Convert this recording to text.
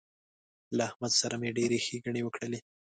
له احمد سره مې ډېرې ښېګڼې وکړلې